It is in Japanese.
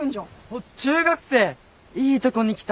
おぉ中学生いいとこに来た。